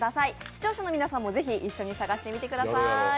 視聴者の皆さんも、ぜひ一緒に探してみてください。